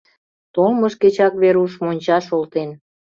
Толмыж кечак Веруш мончаш олтен.